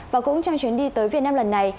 và cũng trong chuyến đi tới việt nam lần này